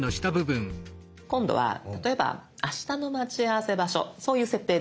今度は例えばあしたの待ち合わせ場所そういう設定で。